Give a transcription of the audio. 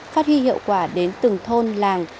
phát huy hiệu quả đến từng thôn làng